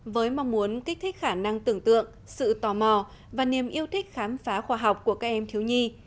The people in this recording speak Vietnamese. với mong muốn kích thích khả năng tưởng tượng sự tò mò và niềm yêu thích khám phá khoa học của các em thiếu nhi